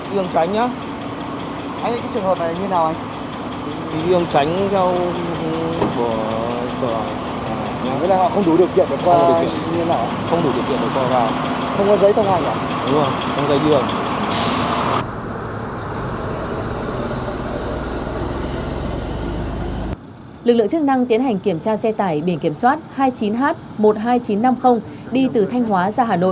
lực lượng chức năng tiến hành kiểm tra xe tải biển kiểm soát hai mươi chín h một mươi hai nghìn chín trăm năm mươi đi từ thanh hóa ra hà nội